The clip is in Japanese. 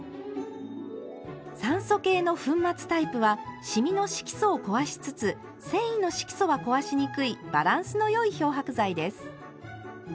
酸素系の粉末タイプはシミの色素を壊しつつ繊維の色素は壊しにくいバランスのよい漂白剤です。